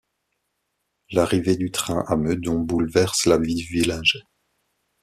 L'arrivée du train à Meudon bouleverse la vie du village.